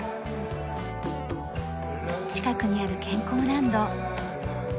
近くにある健康ランド。